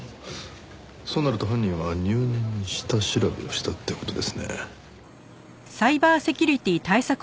そうなると犯人は入念に下調べをしたって事ですね。